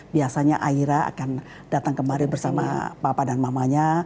biasanya aira akan datang kemari bersama papa dan mamanya